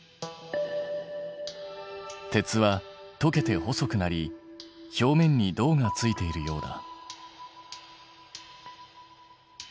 鉄は溶けて細くなり表面に銅がついているようだ。